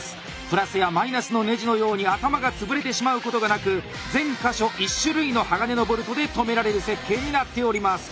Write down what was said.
プラスやマイナスのネジのように頭が潰れてしまうことがなく全箇所１種類の鋼のボルトで留められる設計になっております。